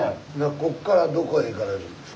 こっからどこへ行かれるんですかね？